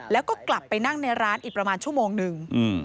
แล้วก็กลับไปนั่งในร้านอีกประมาณชั่วโมงนึง